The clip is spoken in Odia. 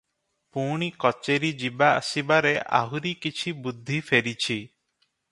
ପୁଣି କଚେରି ଯିବା ଆସିବାରେ ଆହୁରି କିଛି ବୁଦ୍ଧି ଫେରିଛି ।